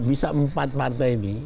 bisa empat partai ini